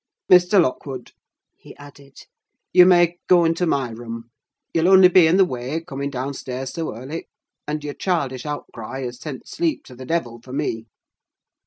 "Mr. Lockwood," he added, "you may go into my room: you'll only be in the way, coming downstairs so early: and your childish outcry has sent sleep to the devil for me."